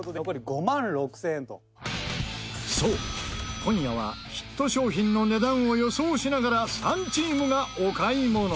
そう今夜はヒット商品の値段を予想しながら３チームがお買い物。